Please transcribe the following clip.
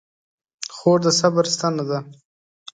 خور د صبر ستنه ده.